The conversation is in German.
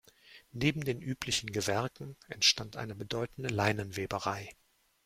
Neben den üblichen Gewerken entstand eine bedeutende Leinenweberei.